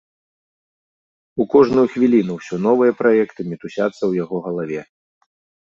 У кожную хвіліну ўсё новыя праекты мітусяцца ў яго галаве.